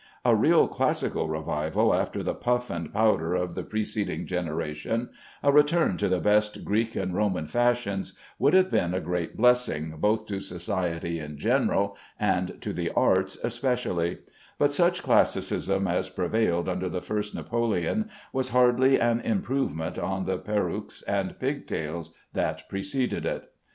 A real classical revival after the puff and powder of the preceding generation, a return to the best Greek and Roman fashions, would have been a great blessing both to society in general and to the arts especially; but such classicism as prevailed under the first Napoleon was hardly an improvement on the perruques and pig tails that preceded it.